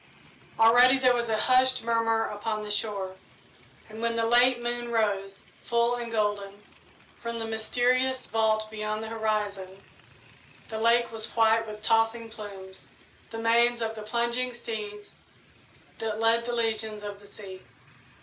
Already there was a hushed murmur upon the shore, and when the late moon rose, full and golden, from the mysterious vault beyond the horizon, the lake was white with tossing plumes the manes of the plunging steeds that lead the legions of the sea.